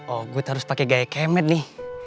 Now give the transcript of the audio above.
oh gue harus pake gaya kemet nih